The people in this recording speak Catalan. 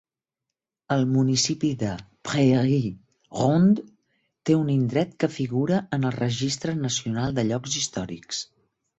El municipi de Prairie Ronde té un indret que figura en el Registre Nacional de Llocs Històrics.